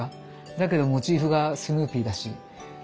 だけどモチーフがスヌーピーだし。